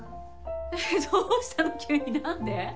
えどうしたの急になんで？